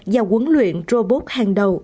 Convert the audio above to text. và quấn luyện robot hàng đầu